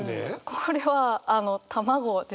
これは卵ですね。